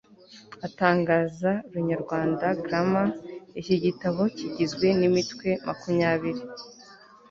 atangaza runyarwanda grammar. iki gitabo kigizwe n'imitwe makumyabiri